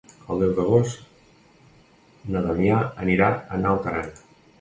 El deu d'agost na Damià anirà a Naut Aran.